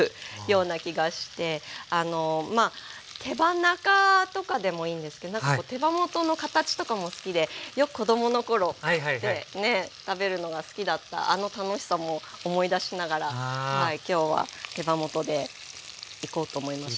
まあ手羽中とかでもいいんですけどなんか手羽元の形とかも好きでよく子供の頃ってねえ食べるのが好きだったあの楽しさも思い出しながら今日は手羽元でいこうと思いました。